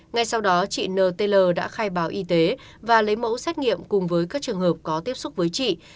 ngay sau đó chị n t l đã khai báo y tế và lấy mẫu xét nghiệm cùng với các trường hợp có tiếp xúc với chị